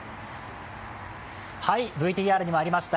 ＶＴＲにもありました